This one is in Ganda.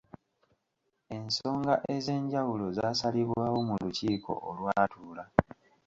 Ensonga ez'enjawulo zaasalibwawo mu lukiiko olwatuula.